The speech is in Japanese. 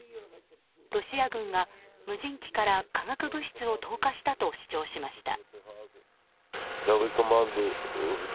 ロシア軍が無人機から化学物質を投下したと主張しました。